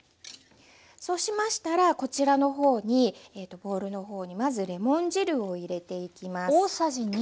そうしましたらこちらの方にボウルの方にまずレモン汁を入れていきます。